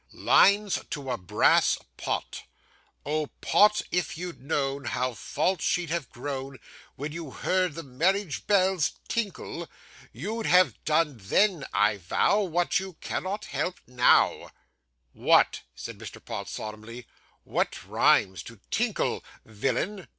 '"LINES TO A BRASS POT '"Oh Pott! if you'd known How false she'd have grown, When you heard the marriage bells tinkle; You'd have done then, I vow, What you cannot help now, 'What,' said Mr. Pott solemnly 'what rhymes to "tinkle," villain?